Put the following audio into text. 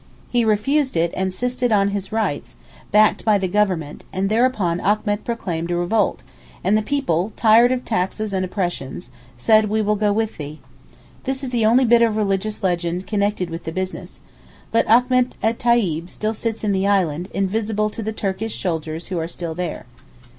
He refused it and insisted on his rights, backed by the Government, and thereupon Achmet proclaimed a revolt and the people, tired of taxes and oppressions, said 'we will go with thee.' This is the only bit of religious legend connected with the business. But Achmet et Tayib still sits in the Island, invisible to the Turkish soldiers who are still there.